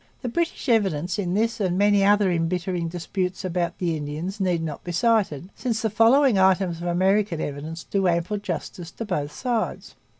The British evidence in this and many another embittering dispute about the Indians need not be cited, since the following items of American evidence do ample justice to both sides.